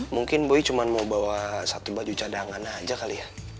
mungkin boy cuma mau bawa satu baju cadangan aja kali ya